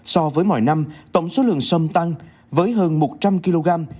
so với mọi năm tổng số lượng sâm tăng với hơn một trăm linh kg